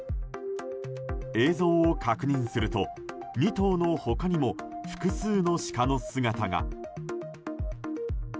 映像を確認すると２頭の他にも複数のシカの姿が。